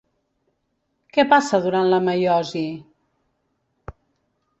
Què passa durant la meiosi?